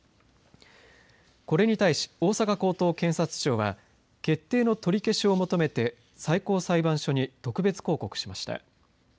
これに対し、大阪高等検察庁は決定の取り消しを求めて最高裁判所に特別抗告しました。